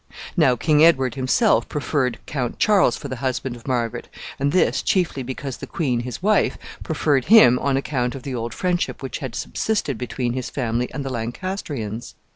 Now King Edward himself preferred Count Charles for the husband of Margaret, and this chiefly because the queen, his wife, preferred him on account of the old friendship which had subsisted between his family and the Lancastrians.